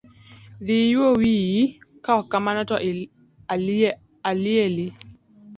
Dhi iyuo wiyo, kaok kamano to alieli.